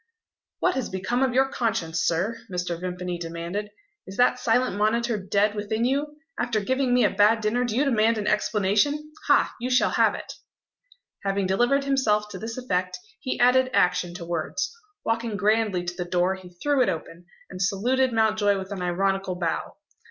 "What has become of your conscience, sir?" Mr. Vimpany demanded. "Is that silent monitor dead within you? After giving me a bad dinner, do you demand an explanation? Ha! you shall have it." Having delivered himself to this effect, he added action to words. Walking grandly to the door, he threw it open, and saluted Mountjoy with an ironical bow.